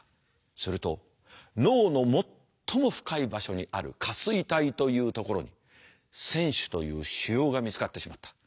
すると脳の最も深い場所にある下垂体というところに腺腫という腫瘍が見つかってしまった。